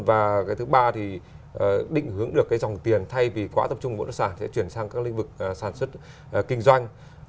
và cái thứ ba thì định hướng được cái dòng tiền thay vì quá tập trung bất động sản sẽ chuyển sang các lĩnh vực sản xuất kinh doanh